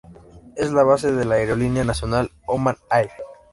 Es la base de la aerolínea nacional, Oman Air.